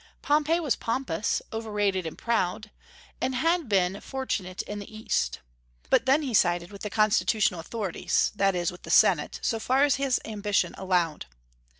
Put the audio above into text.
Pompey was pompous, overrated, and proud, and had been fortunate in the East. But then he sided with the Constitutional authorities, that is, with the Senate, so far as his ambition allowed.